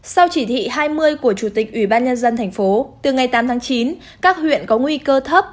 sau chỉ thị hai mươi của chủ tịch ủy ban nhân dân thành phố từ ngày tám tháng chín các huyện có nguy cơ thấp